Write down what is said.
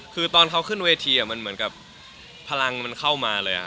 คือตอนเขาขึ้นเวทีมันเหมือนกับพลังมันเข้ามาเลย